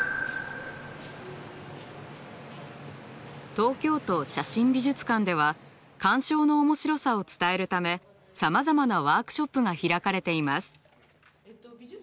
東京都写真美術館では鑑賞の面白さを伝えるためさまざまなワークショップが開かれています。